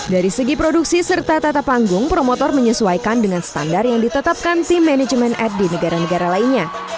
dari segi produksi serta tata panggung promotor menyesuaikan dengan standar yang ditetapkan tim manajemen ad di negara negara lainnya